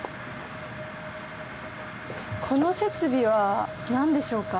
この設備は何でしょうか？